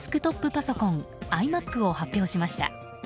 パソコンｉＭａｃを発表しました。